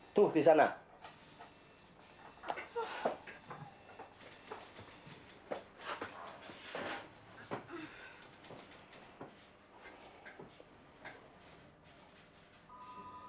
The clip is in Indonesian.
aku sudah bilang tutaj hanya haruk